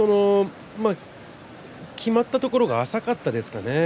きまったところが浅かったですかね。